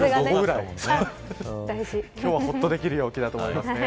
今日は、ほっとできる陽気だと思いますね。